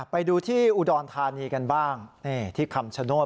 ไปดูที่อุดรธานีกันบ้างนี่ที่คำชโนธ